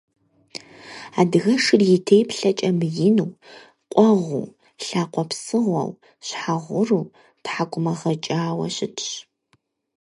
Адыгэшыр и теплъэкӀэ мыину, къуэгъуу, лъакъуэ псыгъуэу, щхьэ гъуру, тхьэкӀумэ гъэкӀауэ щытщ.